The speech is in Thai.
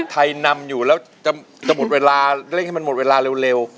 ไทยนำอยู่แล้วจะหมดเวลาเร่งให้มันหมดเวลาเร็ว